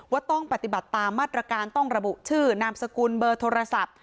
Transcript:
ต้องปฏิบัติตามมาตรการต้องระบุชื่อนามสกุลเบอร์โทรศัพท์